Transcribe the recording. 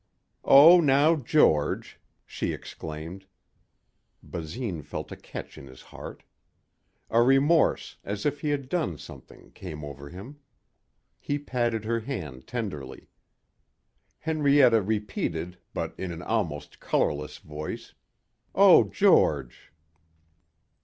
"Oh now George!" she exclaimed. Basine felt a catch in his heart. A remorse, as if he had done something, came over him. He patted her hand tenderly. Henrietta repeated but in an almost colorless voice, "Oh, George."